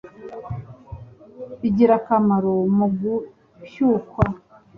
bigira akamaro mu gushyukwa